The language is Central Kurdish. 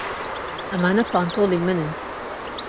ئەمانە پانتۆڵی منن.